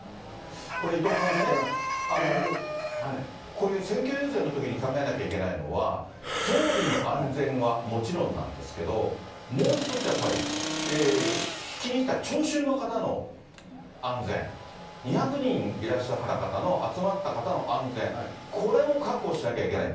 伊藤さんね、こういう選挙遊説のときに考えなきゃいけないのは、総理の安全はもちろんなんですけれども、もう一つ、やっぱり、聞きに来た聴衆の方の安全、２００人いらっしゃった方の、集まった方の安全、これも確保しなきゃいけない。